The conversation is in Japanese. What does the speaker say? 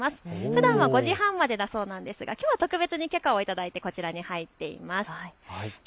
ふだんは５時半までだそうなんですがきょうは特別に許可を頂いて入っています。